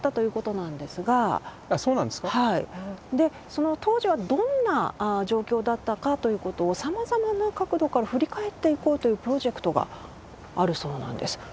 その当時はどんな状況だったかということをさまざまな角度から振り返っていこうというプロジェクトがあるそうなんです。